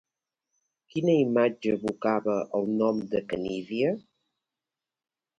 Quina imatge evocava el nom de Canídia?